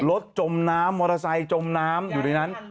จมน้ำมอเตอร์ไซค์จมน้ำอยู่ในนั้น